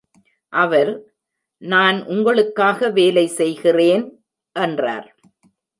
அவர் "நான் உங்களுக்காக வேலை செய்கிறேன்," என்றார்.